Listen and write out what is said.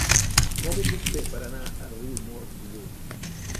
Com ho puc fer per anar a Riumors dilluns?